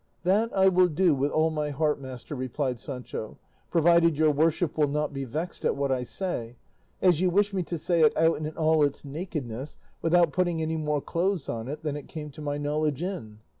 "That I will do with all my heart, master," replied Sancho, "provided your worship will not be vexed at what I say, as you wish me to say it out in all its nakedness, without putting any more clothes on it than it came to my knowledge in."